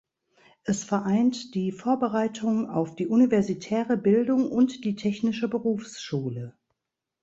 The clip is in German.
Es vereint die Vorbereitung auf die universitäre Bildung und die technische Berufsschule.